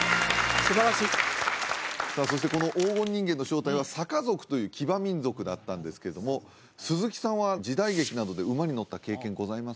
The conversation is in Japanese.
すばらしいさあそしてこの黄金人間の正体はサカ族という騎馬民族だったんですけども鈴木さんは時代劇などで馬に乗った経験ございます？